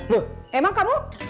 loh emang kamu